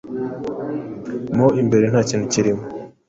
mo imbere nta kintu kirimo.